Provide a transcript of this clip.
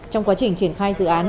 trong quá trình triển khai dự án